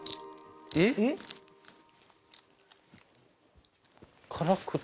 えっ？